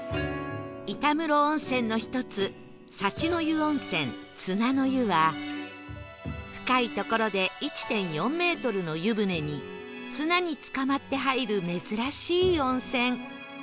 板室温泉の１つ幸乃湯温泉綱の湯は深い所で １．４ メートルの湯船に綱につかまって入る珍しい温泉